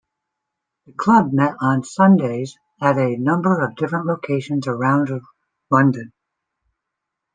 The club met on Sundays at a number of different locations around London.